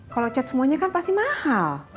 kalau cat semuanya kan pasti mahal